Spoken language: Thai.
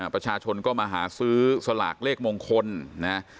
ประชาชนก็มาหาซื้อสลากเลขมงคลนะ